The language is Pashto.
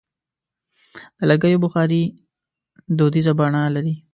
د لرګیو بخاري دودیزه بڼه لري.